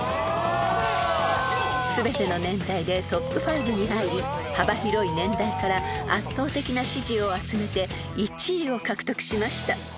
［全ての年代でトップ５に入り幅広い年代から圧倒的な支持を集めて１位を獲得しました］